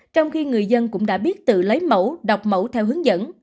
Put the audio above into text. trong khi người dân cũng đã biết tự lấy mẫu đọc mẫu theo hướng dẫn